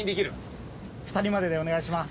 ２人まででお願いします。